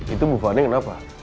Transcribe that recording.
itu bu fani kenapa